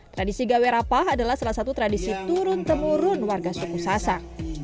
tradisi gawerapah adalah salah satu tradisi turun temurun warga suku sasak